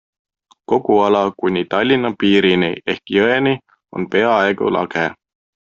Kogu ala kuni Tallinna piirini ehk jõeni on peaaegu lage.